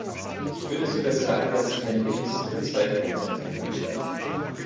Ich würde sogar sagen, dass sich eine gewisse Verzweiflung breitgemacht hat.